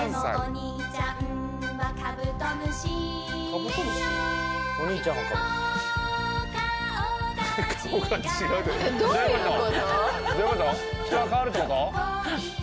人が変わるって事？」